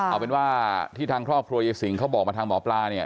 เอาเป็นว่าที่ทางครอบครัวยายสิงเขาบอกมาทางหมอปลาเนี่ย